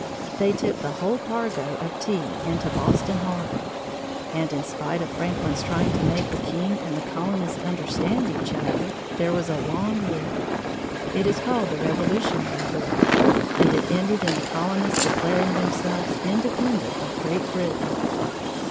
They tipped the whole cargo of tea into Boston Harbor, and in spite of Franklin's trying to make the king and the colonists understand each other, there was a long war (it is called the Revolutionary War) and it ended in the colonists declaring themselves independent of Great Britain.